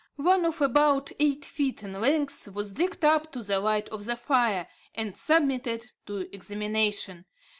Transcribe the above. One of about eight feet in length was dragged up to the light of the fire and submitted to examination.